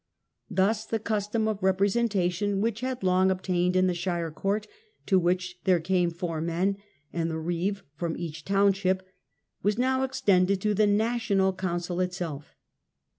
Thus the custom of representation which had long obtained in the shire court, to which there came four men and the reeve from each township, was now extended to the national council itself.